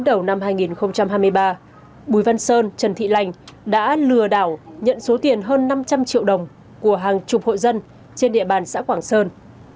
đầu năm hai nghìn hai mươi ba bùi văn sơn trần thị lành đã lừa đảo nhận số tiền hơn năm trăm linh triệu đồng của hàng chục hội dân trên địa bàn xã quảng sơn